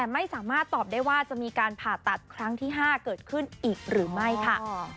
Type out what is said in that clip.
ไม่สามารถตอบได้ว่าจะมีการผ่าตัดครั้งที่๕เกิดขึ้นอีกหรือไม่ค่ะ